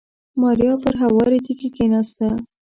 ماريا پر هوارې تيږې کېناسته.